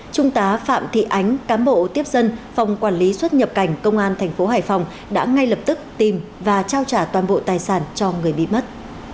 trung tá phạm thị ánh cám bộ tiếp dân phòng quản lý xuất nhập cảnh công an thành phố hải phòng đã ngay lập tức tìm và trao trả toàn bộ tài sản cho người bị mất